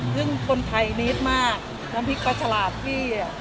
ซึ่งคนไทยนิดมากน้ำพริกปลาฉลาดที่